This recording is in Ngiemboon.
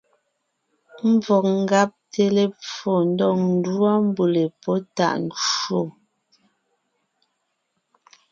Ḿvɔg ńgabte lepfo ndɔg ńdúɔ mbʉ̀le pɔ́ tàʼ ncwò.